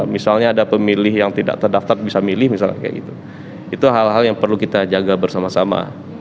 misalnya ada pemilih yang tidak terdaftar bisa memilih itu hal hal yang perlu kita jaga bersama sama